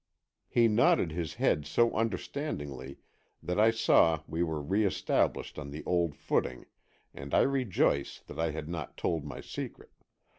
He nodded his head so understandingly that I saw we were reëstablished on the old footing, and I rejoice that I had not told my secret.